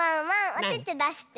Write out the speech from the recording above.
おててだして。